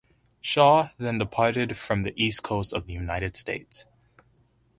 "Shaw" then departed for the East Coast of the United States.